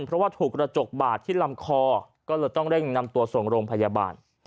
เพราะว่าถูกกระจกบาดที่ลำคอก็เลยต้องเร่งนำตัวส่งโรงพยาบาล